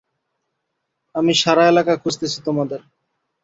আমি সারা এলাকা খুজতেসি, তোমাদের।